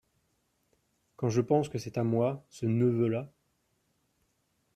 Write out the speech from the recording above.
Quand je pense que c’est à moi, ce neveu-là !…